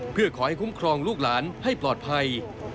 จำนวงลูกหลานให้ปลอดภัย